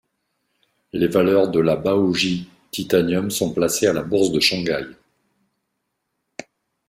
Les valeurs de la Baoji Titanium sont placées à la bourse de Shanghai.